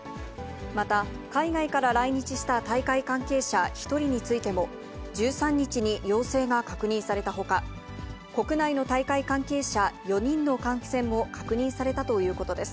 また、海外から来日した大会関係者１人についても、１３日に陽性が確認されたほか、国内の大会関係者４人の感染も確認されたということです。